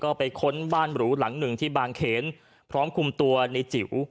ก็ไปค้นบ้านหรูหลังหนึ่งที่บางเขนพร้อมคุมตัวในจิ๋ว